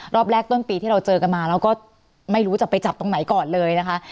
รอบแรกต้นปีที่เราเจอกันมาแล้วก็ไม่รู้จะไปจับตรงไหนก่อนเลยนะคะ